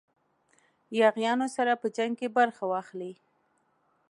یاغیانو سره په جنګ کې برخه واخلي.